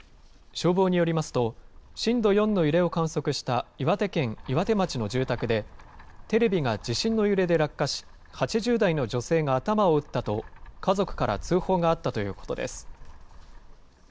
消防によりますと、震度４の揺れを観測した岩手県岩手町の住宅で、テレビが地震の揺れで落下し、８０代の女性が頭を打ったと、家族から通報があったということです。